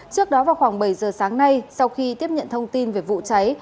trước đó vào khoảng bảy giờ sáng nay sau khi tiếp nhận thông tin về vụ cháy